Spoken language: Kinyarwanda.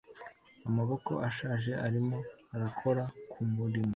Amaboko ashaje arimo akora kumurimo